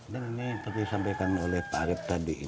dan ini seperti disampaikan oleh pak arief tadi